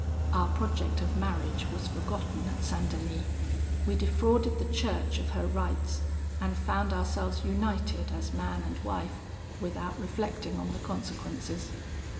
"Our project of marriage was forgotten at St. Denis; we defrauded the Church of her rights; and found ourselves united as man and wife without reflecting on the consequences.